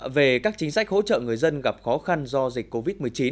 về các chính sách hỗ trợ người dân gặp khó khăn do dịch covid một mươi chín